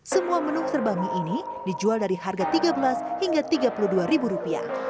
semua menu serba mie ini dijual dari harga tiga belas hingga tiga puluh dua ribu rupiah